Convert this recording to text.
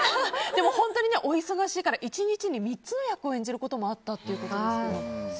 でも本当にお忙しいから１日に３つの役を演じることもあったということですけど。